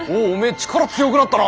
力強くなったな。